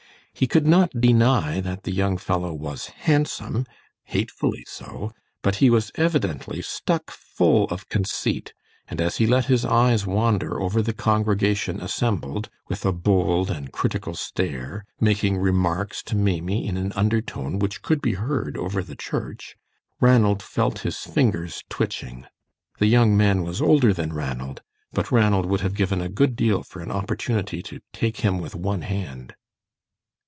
He could not deny that the young fellow was handsome, hatefully so, but he was evidently stuck full of conceit, and as he let his eyes wander over the congregation assembled, with a bold and critical stare, making remarks to Maimie in an undertone which could be heard over the church, Ranald felt his fingers twitching. The young man was older than Ranald, but Ranald would have given a good deal for an opportunity to "take him with one hand."